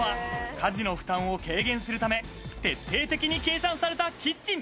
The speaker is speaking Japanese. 家事の負担を軽減するため徹底的に計算されたキッチン。